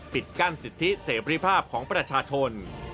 ปิดกั้นสิทธิเสรีภาพของประชาชน